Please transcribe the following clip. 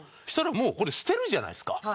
そしたらもうこれ捨てるじゃないですか。